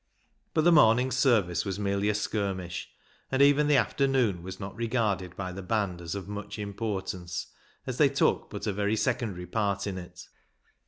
But the morning's service was merely a skirmish, and even the afternoon was not regarded by the band as of much importance, as they took but a very secondary part in it.